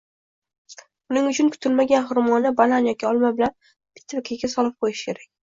Buning uchun yetilmagan xurmoni banan yoki olma bilan bitta paketga solib qo‘yish kerak